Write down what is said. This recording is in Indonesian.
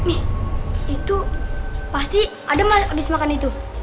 ih itu pasti adam abis makan itu